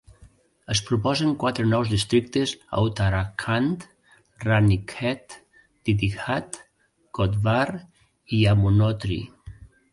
Es proposen quatre nous districtes a Uttarakhand: Ranikhet, Didihat, Kotdwar i Yamunotri.